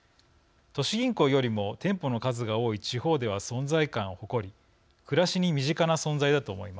都市銀行よりも店舗の数が多い地方では存在感を誇り暮らしに身近な存在だと思います。